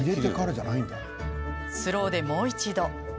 スローで、もう一度。